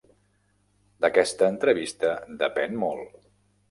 D"aquesta entrevista depèn molt.